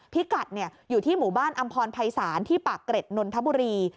พิกัดอยู่ที่หมู่บ้านอำพรภัยศาลที่ปากเกร็ดนนทบุรี